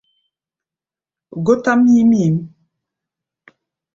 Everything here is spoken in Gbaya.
Gótʼám nyím nyǐm.